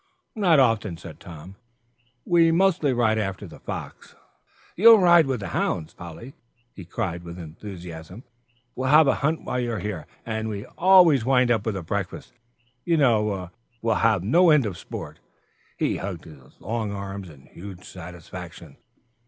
"Not often," said Tom, "we mostly ride after the fox. You'll ride with the hounds, Polly," he cried with enthusiasm. "We'll have a hunt while you're here, and we always wind up with a breakfast, you know. Oh, we'll have no end of sport." He hugged his long arms in huge satisfaction.